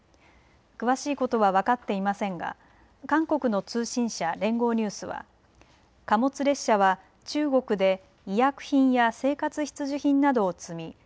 詳しいことは分かっていませんが韓国の通信社、連合ニュースは貨物列車は中国で医薬品や生活必需品などを積み